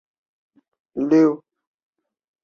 同年楠泰尔大学车站亦启用。